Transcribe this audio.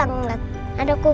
jangan sampai kedengeran rosan aku